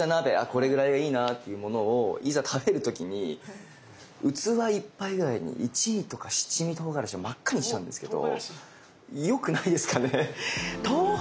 これぐらいがいいなというものをいざ食べる時に器いっぱいぐらいに一味とか七味とうがらしで真っ赤にしちゃうんですけどよくないですかね？